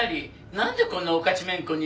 なんでこんなおかちめんこに？